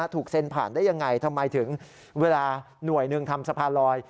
ถูกเซ็นผ่านได้ยังไงทำไมถึงเวลาหน่วยหนึ่งทำสะพานลอย